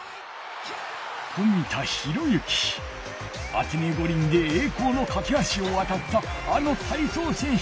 アテネ五輪でえい光のかけはしをわたったあの体操選手